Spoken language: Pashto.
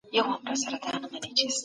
ادبیات د فکر او احساس مجموعه ده.